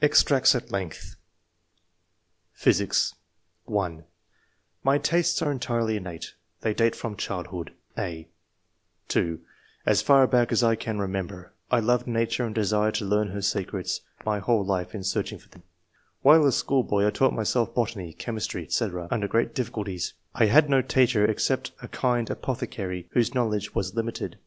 EXTRACTS AT LENGTH. PHYSICS. (1) "My tastes are entirely innate ; they date from childhood." (a) (2) " As far back as I can remember, I loved nature and desired to learn her secrets, and have 150 ENGLISH MEN OF SCIENCE, [chap. spent my whole life in searching for them. While a schoolboy I taught myself botany, chemistry, &c under great difficulties. I had no teacher except a kind apothecary, whose knowledge was limited."